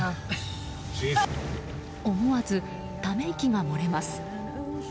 思わず、ため息が漏れます。